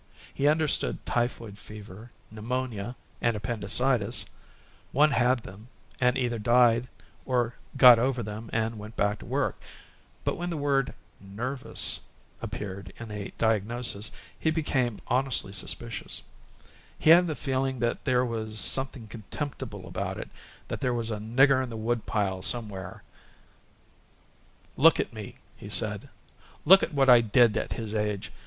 He understood typhoid fever, pneumonia, and appendicitis one had them, and either died or got over them and went back to work but when the word "nervous" appeared in a diagnosis he became honestly suspicious: he had the feeling that there was something contemptible about it, that there was a nigger in the wood pile somewhere. "Look at me," he said. "Look at what I did at his age!